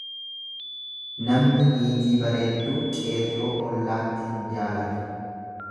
Namni niitii bareedduu qeerroo ollaatti hin jaalatu.